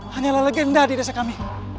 hanyalah legenda di desa kami